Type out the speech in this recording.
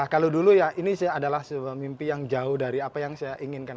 kalau dulu ya ini adalah sebuah mimpi yang jauh dari apa yang saya inginkan